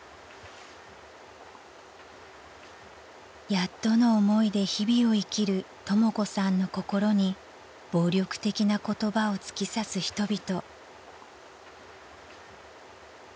［やっとの思いで日々を生きるとも子さんの心に暴力的な言葉を突き刺す人々］